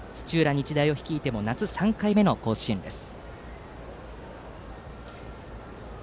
日大を率いても夏３回目の甲子園です。